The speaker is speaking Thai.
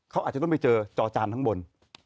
เขาอาจจะต้องไปเจอจอจานข้างบน